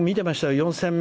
４戦目。